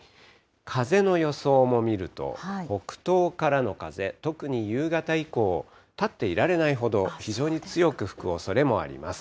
風の予想も見ると、北東からの風、特に夕方以降、立っていられないほど非常に強く吹くおそれもあります。